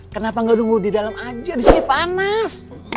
kenapa gak nunggu di dalam aja disini panas